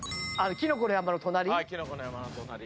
きのこの山の隣。